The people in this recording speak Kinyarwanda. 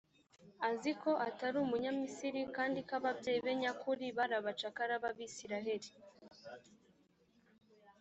azi ko atari umunyamisiri kandi ko ababyeyi be nyakuri bari abacakara b abisirayeli